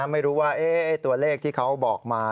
ไม่รู้ว่าตัวเลขที่เขาบอกมา